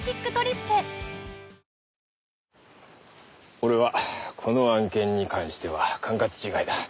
俺はこの案件に関しては管轄違いだ。